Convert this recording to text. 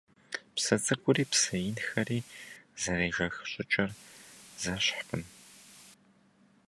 Псы цӀыкӀури псы инхэри зэрежэх щӀыкӀэр зэщхькъым.